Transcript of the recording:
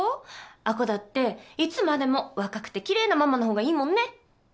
亜子だっていつまでも若くてきれいなママの方がいいもんね。